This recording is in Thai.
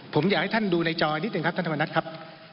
ผมอยากให้ท่านดูในจอนิดหนึ่งครับท่านธรรมนัฐครับ